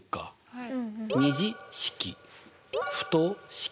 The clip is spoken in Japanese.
はい。